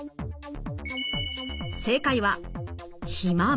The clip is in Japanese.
正解は肥満。